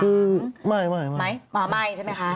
คือไม่ใช่ไหมคะ